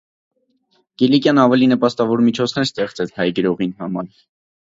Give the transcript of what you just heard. Կիլիկիան աւելի նպաստաւոր միջոցներ ստեղծեց հայ գրողին համար։